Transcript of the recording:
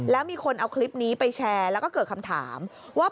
แล้วมีคนเอาคลิปนี้ไปแชร์แล้วก็เกิดคำถามว่า